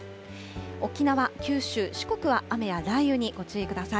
沖縄、九州、四国は雨や雷雨にご注意ください。